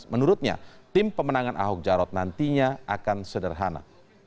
menurutnya tim pemenangan ahok jarot nantinya akan sederhana